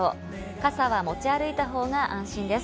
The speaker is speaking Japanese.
傘は持ち歩いた方が安心です。